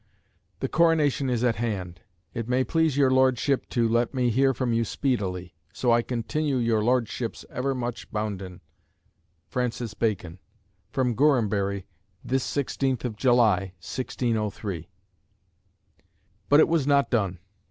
The coronation is at hand. It may please your Lordship to let me hear from you speedily. So I continue your Lordship's ever much bounden, "FR. BACON. "From Gorhambury, this 16th of July, 1603." But it was not done.